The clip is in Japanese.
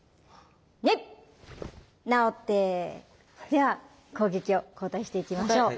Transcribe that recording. では攻撃を交代していきましょう。